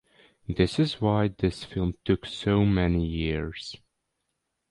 That is why this film took so many years.